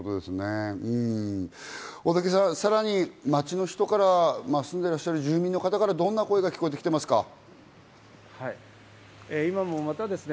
大竹さん、さらに町の人から住んでらっしゃる住民の方からはどんな声が聞こえていますか？